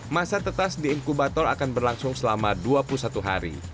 masa tetas di inkubator akan berlangsung selama dua puluh satu hari